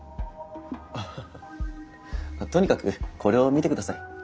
アハハとにかくこれを見てください。